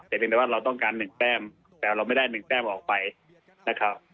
แต่เพียงแต่ว่าเราต้องการ๑แต้มแต่เราไม่ได้๑แต้มออกไปนะครับ